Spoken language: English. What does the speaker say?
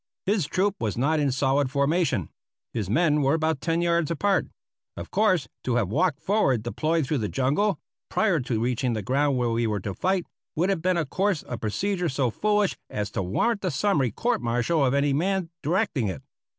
His troop was not in solid formation; his men were about ten yards apart. Of course, to have walked forward deployed through the jungle, prior to reaching the ground where we were to fight, would have been a course of procedure so foolish as to warrant the summary court martial of any man directing it.